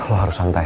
lo harus santai